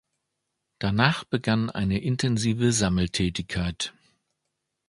Danach begann eine intensive Sammeltätigkeit.